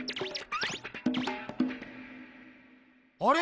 あれ？